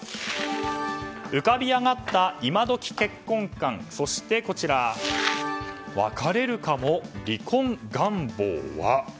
浮かび上がった今時結婚観そして別れるかも離婚願望は？